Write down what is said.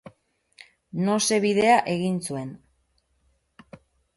Nose bidea egin zuen.